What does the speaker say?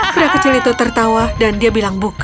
pria kecil tertawa dan dia bilang